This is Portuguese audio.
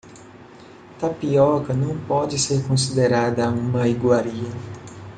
Tapioca não pode ser considerada uma iguaria.